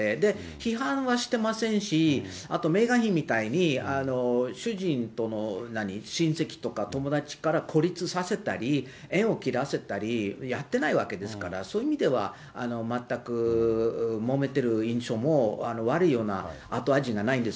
批判はしてませんし、あとメーガン妃みたいに、主人との親戚とか友達から孤立させたり、縁を切らせたり、やってないわけですから、そういう意味では、全くもめてる印象も、悪いような後味がないんです。